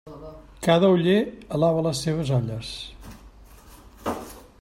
Cada oller alaba les seues olles.